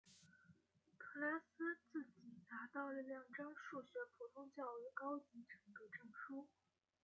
特拉斯自己拿到了两张数学普通教育高级程度证书。